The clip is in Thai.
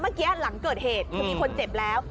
เมื่อกี้หลังเกิดเหตุคือมีคนเจ็บแล้ว